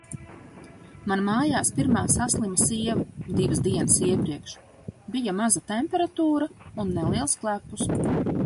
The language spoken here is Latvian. Man mājās pirmā saslima sieva divas dienas iepriekš. Bija maza temperatūra un neliels klepus.